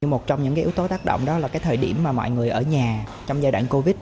một trong những yếu tố tác động đó là cái thời điểm mà mọi người ở nhà trong giai đoạn covid